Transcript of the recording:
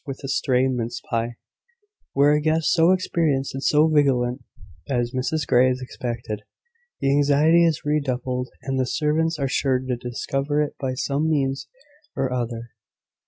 Where a guest so experienced and so vigilant as Mrs Grey is expected, the anxiety is redoubled, and the servants are sure to discover it by some means or other.